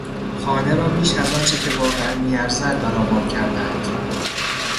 خانه را بیش از آنچه که واقعا میارزد برآورد کردهاند.